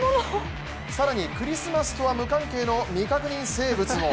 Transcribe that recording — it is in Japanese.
更にクリスマスとは無関係の未確認生物も。